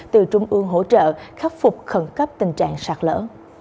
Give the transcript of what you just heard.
từ trung ương hỗ trợ khắc phục khẩn cấp tình trạng sạt lỡ